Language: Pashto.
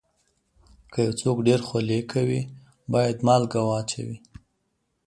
که یو څوک ډېر خولې کوي، باید مالګه واچوي.